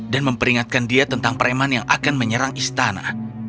dan memperingatkan dia tentang preman yang akan menyerang istana